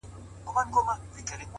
o د ظالم لور ـ